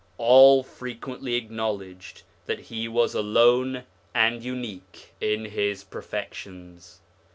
All frequently acknowledged that he was alone and unique in his perfections.